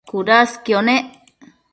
cudasquio nec